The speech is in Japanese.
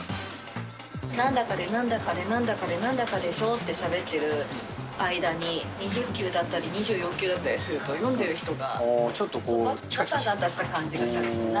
なんだかでなんだかでなんだかでなんだかでしょってしゃべってる間に、２０級だったり、２４級だったりすると、読んでる人ががたがたした感じがしちゃうんですよ。